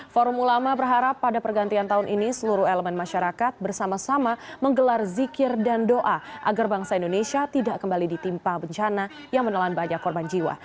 forum ulama berharap pada pergantian tahun ini seluruh elemen masyarakat bersama sama menggelar zikir dan doa agar bangsa indonesia tidak kembali ditimpa bencana yang menelan banyak korban jiwa